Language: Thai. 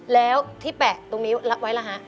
แล้วที่แปะตรงนี้ไว้ล่ะฮะ